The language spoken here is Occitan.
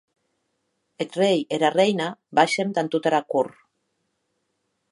Eth rei e era reina baishen damb tota era cort.